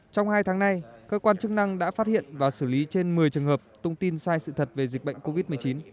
trong hai tháng nay cơ quan chức năng đã phát hiện và xử lý trên một mươi trường hợp thông tin sai sự thật về dịch bệnh covid một mươi chín